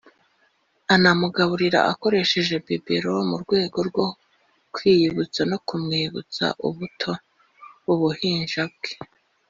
anamugaburira akoresheje Bebelo mu rwego rwo kwiyibutsa no kumwibutsa ubuto [ubuhinja] bwe